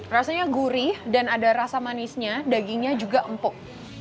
rasanya gurih dan ada rasa manisnya dagingnya juga empuk